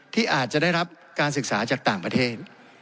ที่อาจจะได้รับการศึกษาจากต่างประเทศ